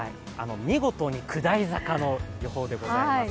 見事に下り坂の予報でございます。